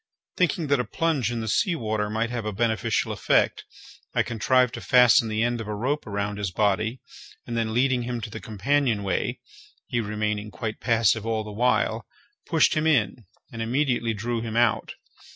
Thinking that a plunge in the sea water might have a beneficial effect, I contrived to fasten the end of a rope around his body, and then, leading him to the companion way (he remaining quite passive all the while), pushed him in, and immediately drew him out.